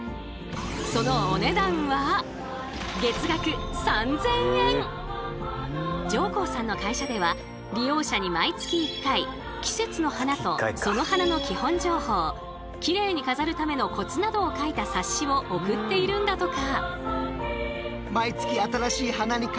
そのお値段は上甲さんの会社では利用者に毎月１回季節の花とその花の基本情報きれいに飾るためのコツなどを書いた冊子を送っているんだとか。